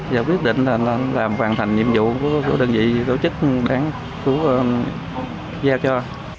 và quyết định là làm hoàn thành nhiệm vụ của đơn vị tổ chức đáng giá cho